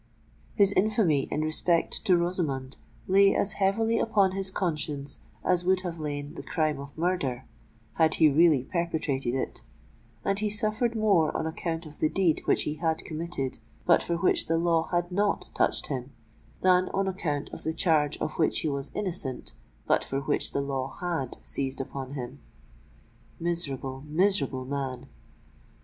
His infamy in respect to Rosamond, lay as heavily upon his conscience as would have lain the crime of murder, had he really perpetrated it; and he suffered more on account of the deed which he had committed, but for which the law had not touched him, than on account of the charge of which he was innocent, but for which the law had seized upon him. Miserable—miserable man!